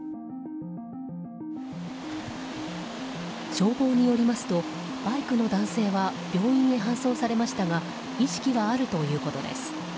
消防によりますとバイクの男性は病院へ搬送されましたが意識はあるということです。